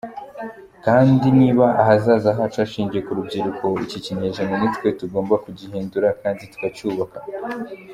Kandi niba ahazaza hacu hashingiye ku rubyiruko, iki kinyejana nitwe tugomba kugihindura kandi tukacyubaka.